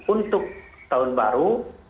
untuk tahun baru